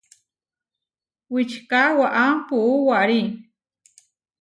Wičika waʼá puú warí.